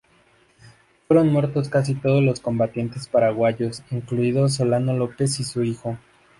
Fueron muertos casi todos los combatientes paraguayos, incluido Solano López y su hijo.